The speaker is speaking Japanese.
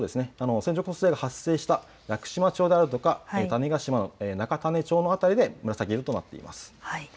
線状降水帯が発生した屋久島町や中種子町の辺りで紫色となっています。